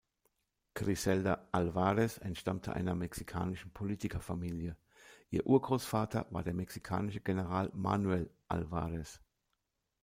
Griselda Álvarez entstammte einer mexikanischen Politikerfamilie: Ihr Urgroßvater war der mexikanische General Manuel Álvarez.